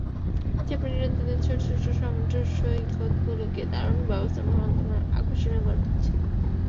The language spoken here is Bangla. জাপানিরা তাদের ছোট ছোট সমুদ্রসৈকতগুলোকে দারুণ ব্যবস্থাপনার মাধ্যমে আকর্ষণীয় করে তুলেছে।